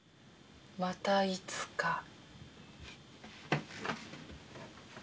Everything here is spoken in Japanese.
またいつか。